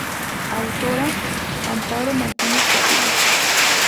Autora: Amparo Martínez Carrillo.